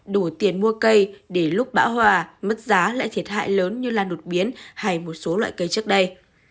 đủ tiền mua cây để lúc bão hòa mất giá lại thiệt hại lớn như là đột biến hay một số loại cây trước đây